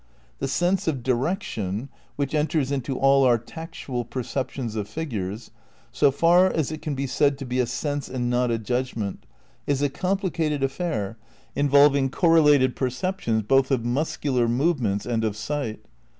The sense of direc tion (which enters into all our tactual perceptions of figures), so far as it can be said to be a sense and not a judgment, is a complicated affair involving corre lated perceptions both of muscular movements and of sight.